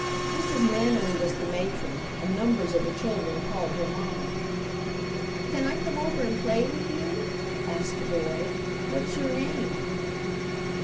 Mrs. Manily was the matron, and numbers of the children called her mamma. "Can I come over and play with you?" asked the boy. "What's your name?"